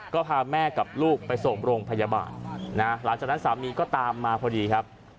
ก็พาแม่กับลูกไปส่งโรงพยาบาลนะหลังจากนั้นสามีก็ตามมาพอดีครับ